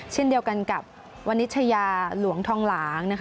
เช่นเดียวกันกับวันนิชยาหลวงทองหลางนะคะ